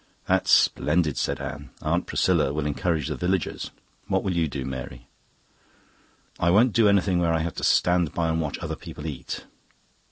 "That's splendid," said Anne. "Aunt Priscilla will encourage the villagers. What will you do, Mary?" "I won't do anything where I have to stand by and watch other people eat."